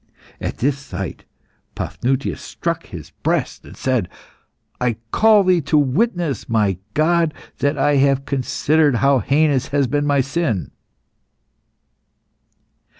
At this sight Paphnutius struck his breast and said "I call Thee to witness, my God, that I have considered how heinous has been my sin."